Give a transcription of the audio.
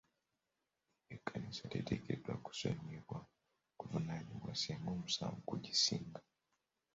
Ekkanisa teteekeddwa kusonyiyibwa kuvunaanibwa singa omusango gugisinga.